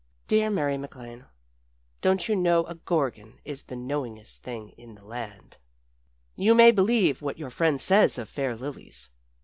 Dear Mary MacLane: Don't you know a gorgon is the knowingest thing in the land? You may believe what your friend says of fair lilies.